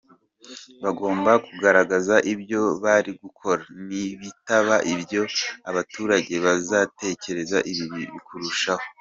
Bagomba kugaragaza ibyo bari gukora, nibitaba ibyo abaturage bazatekereza ibibi kurushaho.